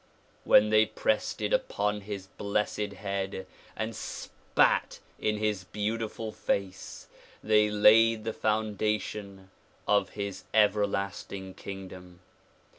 When they pressed it upon his blessed head and spat in his beautiful face they laid the foundation of his everlasting kingdom.